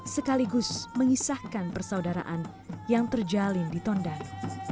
sekaligus mengisahkan persaudaraan yang terjalin di tondang